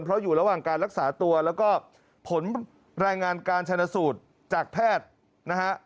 เพราะอยู่ระหว่างการรักษาตัวแล้วก็ผลรายงานการชนะสูตรจากแพทย์นะฮะ